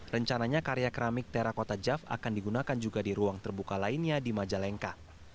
rencananya karya keramik tera kota jav akan digunakan juga di ruang terbuka lainnya di majalengka